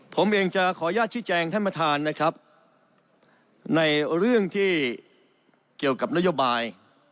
ผมเองจะขออนุญาตชี้แจงท่านประธานนะครับในเรื่องที่เกี่ยวกับนโยบาย